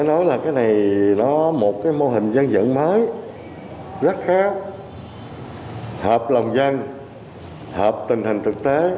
nó là một mô hình dân dân mới rất khéo hợp lòng dân hợp tình hình thực tế